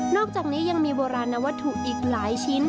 อกจากนี้ยังมีโบราณวัตถุอีกหลายชิ้น